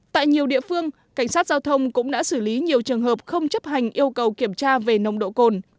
tại nhiều địa phương cảnh sát giao thông cũng đã xử lý nhiều trường hợp không chấp hành yêu cầu kiểm tra về nồng độ cồn